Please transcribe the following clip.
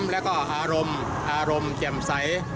๓และก็อารมณ์อารมณ์เกี่ยวใส